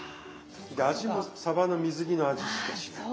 で味もさばの水煮の味しかしない。